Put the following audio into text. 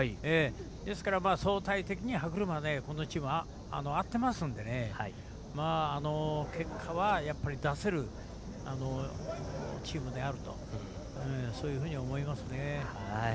ですから、相対的に歯車は、このチーム合っていますので結果は出せるチームであると思いますね。